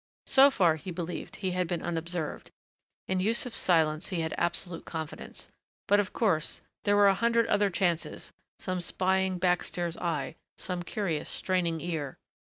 So far, he believed, he had been unobserved. In Yussuf's silence he had absolute confidence.... But of course there were a hundred other chances some spying, back stairs eye, some curious, straining ear....